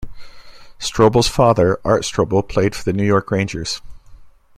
Strobel's father, Art Strobel played for the New York Rangers.